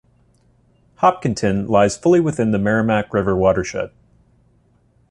Hopkinton lies fully within the Merrimack River watershed.